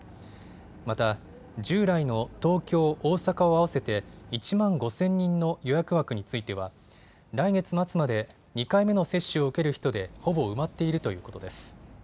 また、従来の東京、大阪を合わせて１万５０００人の予約枠については来月末まで２回目の接種を受ける人で、ほぼ埋まっているということです。